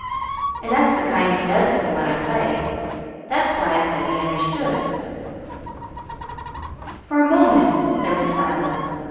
And that's the kind he does see when I play. That's why I said he understood." For a moment there was silence.